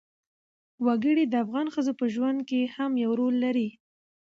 وګړي د افغان ښځو په ژوند کې هم یو رول لري.